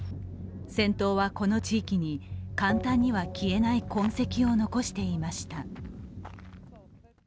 戦闘は、この地域に簡単には消えない痕跡を残していました。